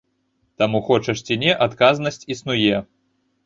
Таму, хочаш ці не, адказнасць існуе.